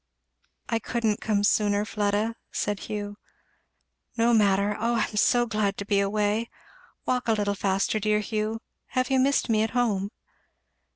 "I couldn't come sooner, Fleda," said Hugh. "No matter O I'm so glad to be away! Walk a little faster, dear Hugh. Have you missed me at home?"